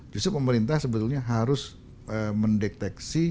justru pemerintah sebetulnya harus mendeteksi